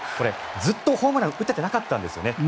ずっとホームランを打てていなかったんですよね。